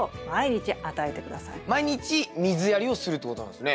毎日水やりをするってことなんですね。